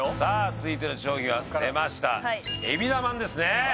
続いての商品は出ました海老名まんですね